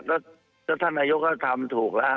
ก็ท่านอายุก็ทำถูกแล้ว